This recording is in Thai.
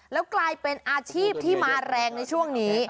แล้วกลายเป็นอาชีพที่มาแรงในช่วงนี้